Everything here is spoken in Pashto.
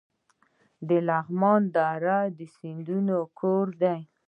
د لغمان دره د سیندونو کور دی